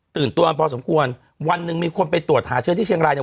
ตัวกันพอสมควรวันหนึ่งมีคนไปตรวจหาเชื้อที่เชียงรายเนี่ย